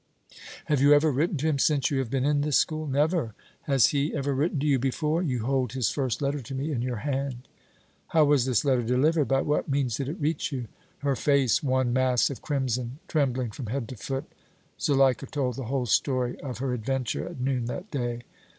"Have you ever written to him since you have been in this school?" "Never!" "Has he ever written to you before?" "You hold his first letter to me in your hand!" "How was this letter delivered, by what means did it reach you?" Her face one mass of crimson, trembling from head to foot, Zuleika told the whole story of her adventure at noon that day.